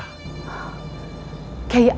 hai tapi bagaimana caranya bidara